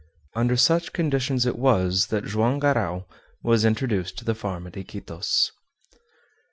Under such conditions it was that Joam Garral was introduced to the farm at Iquitos.